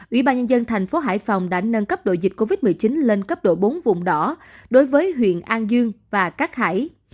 ủy ban nhân dân thành phố hải phòng đã nâng cấp đội dịch covid một mươi chín lên cấp độ bốn vùng đỏ đối với huyện an dương và cát hải